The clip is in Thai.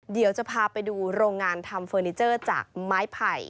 เดี๋ยวจะพาไปดูโรงงานทำเฟอร์นิเจอร์จากไม้ไผ่